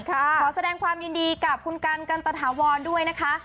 ขอแสดงความยินดีกับคุณกันกันตะถาวรด้วยนะคะ